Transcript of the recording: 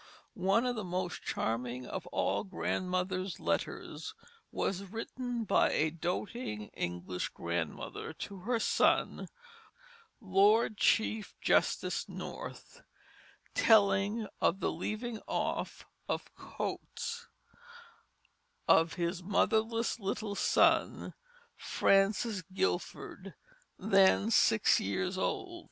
One of the most charming of all grandmothers' letters was written by a doting English grandmother to her son, Lord Chief Justice North, telling of the "leaving off of coats" of his motherless little son, Francis Guildford, then six years old.